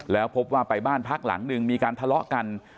แล้วพบว่าไปบ้านพักหลังหนึ่งมีการทะเลาะกัน